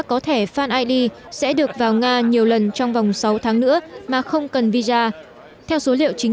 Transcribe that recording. có thẻ fan id sẽ được vào nga nhiều lần trong vòng sáu tháng nữa mà không cần visa theo số liệu chính